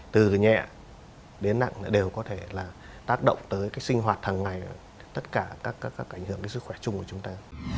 từ nhẹ đến nặng đều có thể tác động tới sinh hoạt thằng ngày tất cả các ảnh hưởng đến sức khỏe chung của chúng ta